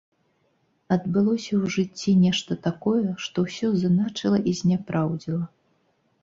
Адбылося ў жыцці нешта такое, што ўсё зыначыла і зняпраўдзіла.